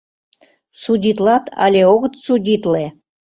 Судитлат але огыт судитле?